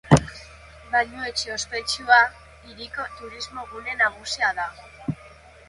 Bainuetxe ospetsua, hiriko turismo-gune nagusia da.